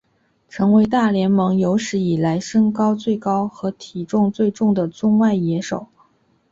成为大联盟有史以来身高最高和体重最重的中外野手。